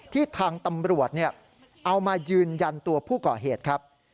ทางตำรวจเอามายืนยันตัวผู้ก่อเหตุครับ